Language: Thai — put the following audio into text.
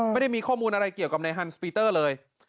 ไม่ได้มีข้อมูลอะไรเกี่ยวกับในฮันสปีเตอร์เลย